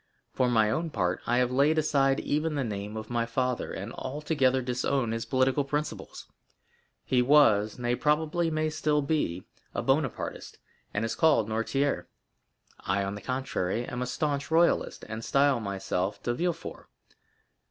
For my own part, I have laid aside even the name of my father, and altogether disown his political principles. He was—nay, probably may still be—a Bonapartist, and is called Noirtier; I, on the contrary, am a staunch royalist, and style myself de Villefort.